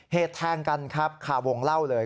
เหตุแทงกันครับคาวงเล่าเลย